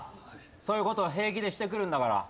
そういうことを平気でしてくるんだから。